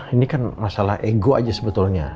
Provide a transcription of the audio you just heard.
ini kan masalah ego aja sebetulnya